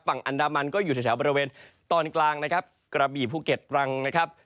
ฝั่งอันดามันก็อยู่แถวบริเวณตอนกลางนะครับกระบี่ภูเก็ตตรังนะครับ